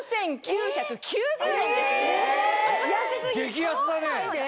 激安だね！